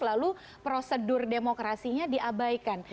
lalu prosedur demokrasinya diabaikan